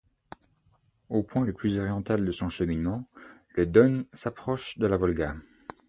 Au point le plus oriental de son cheminement, le Don s'approche de la Volga.